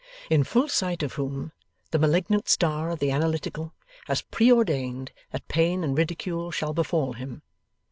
In full sight of whom, the malignant star of the Analytical has pre ordained that pain and ridicule shall befall him.